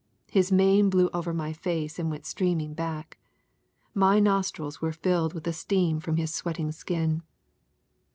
His mane blew over my face and went streaming back. My nostrils were filled with the steam from his sweating skin.